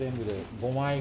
５枚？